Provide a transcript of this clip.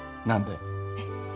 何で？